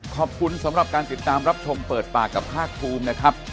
ขอบคุณสำหรับการติดตามรับชมเปิดปากกับภาคภูมินะครับ